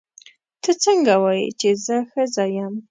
ته څنګه وایې چې زه ښځه یم.